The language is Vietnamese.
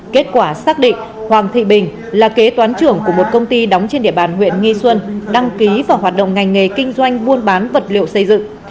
kết quả xác định hoàng thị bình là kế toán trưởng của một công ty đóng trên địa bàn huyện nghi xuân đăng ký và hoạt động ngành nghề kinh doanh buôn bán vật liệu xây dựng